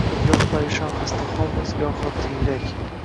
Goh parishon xastaholmiz, goho tiyrak.